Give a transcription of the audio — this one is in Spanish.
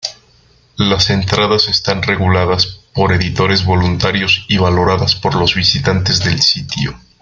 Las entradas están reguladas por editores voluntarios y valoradas por los visitantes del sitio.